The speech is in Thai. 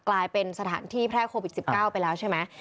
กลายเป็นสถานที่แพร่โควิด๑๙ไปแล้วใช่ไหม